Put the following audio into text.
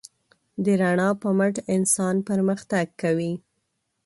د رڼا په مټ انسان پرمختګ کوي.